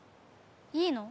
いいの？